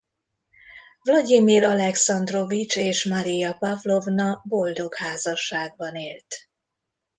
Vlagyimir Alekszandrovics és Marija Pavlovna boldog házasságban élt.